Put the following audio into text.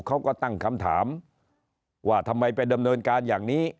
เขาก็ตั้งคำถามว่าทำไมไปดำเนินการอย่างนี้